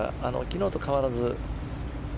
昨日と変わらず？